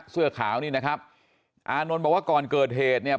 เสื้อขาวนี่นะครับอานนท์บอกว่าก่อนเกิดเหตุเนี่ย